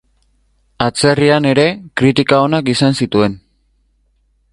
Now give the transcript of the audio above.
Atzerrian ere kritika onak izan zituen.